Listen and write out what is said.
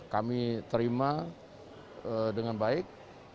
kami terima dengan baik